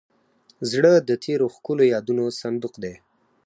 زړه د تېرو ښکلو یادونو صندوق دی.